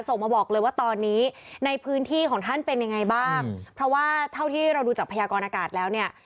ส่งมาบอกเลยว่าตอนนี้ในพื้นที่ของท่านเป็นยังไงบ้างเพราะว่าเท่าที่เราดูจากพยากรอากาศแล้วเนี่ย